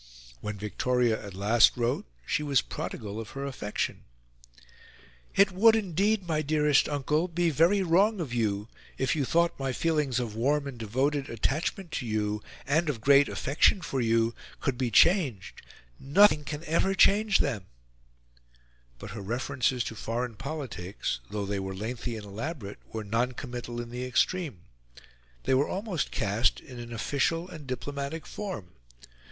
When Victoria at last wrote, she was prodigal of her affection. "It would, indeed, my dearest Uncle, be VERY WRONG of you, if you thought my feelings of warm and devoted attachment to you, and of great affection for you, could be changed nothing can ever change them" but her references to foreign politics, though they were lengthy and elaborate, were non committal in the extreme; they were almost cast in an official and diplomatic form.